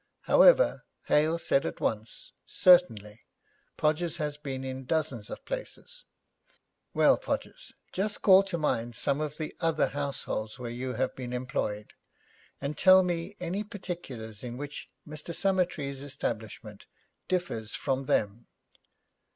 However, Hale said at once, 'Certainly. Podgers has been in dozens of places.' 'Well, Podgers, just call to mind some of the other households where you have been employed, and tell me any particulars in which Mr Summertrees' establishment differs from them.'